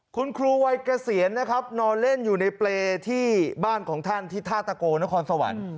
คุณครูวัยเกษียณนะครับนอนเล่นอยู่ในเปรย์ที่บ้านของท่านที่ท่าตะโกนครสวรรค์